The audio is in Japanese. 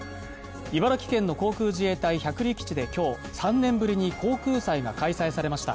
茨城県の航空自衛隊百里基地で今日、３年ぶりに航空祭が開催されました